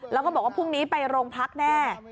แล้วก็บอกว่าพรุ่งนี้ไปโรงพักแน่